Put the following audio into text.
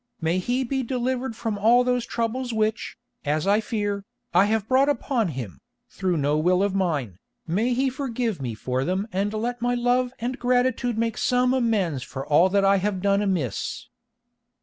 May he be delivered from all those troubles which, as I fear, I have brought upon him, through no will of mine. May he forgive me for them and let my love and gratitude make some amends for all that I have done amiss."